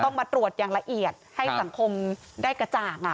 ก็ต้องมาตรวจอย่างละเอียดให้สังคมได้กระจ่าค่ะ